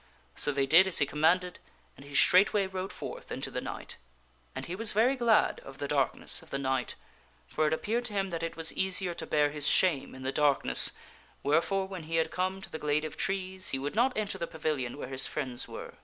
So they did as he commanded and he straightway rode forth into the night. And he was very glad of the darkness of the night, for it appeared to him that it was easier to bear his shame in the darkness, wherefore when he had come to the glade of trees he would not enter the pavilion where his friends were.